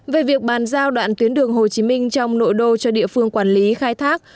về việc bàn giao đoạn tuyến đường hồ chí minh trong nội đô cho địa phương quản lý khai thác